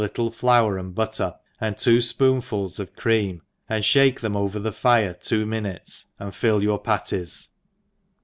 155^ little flour and butter, and two fpoonfuls of cjTcam, and (hake theni over the fire two minutes, and fill your patties.